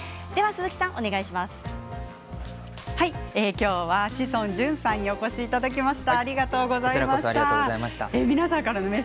今日は志尊淳さんにお越しいただきました。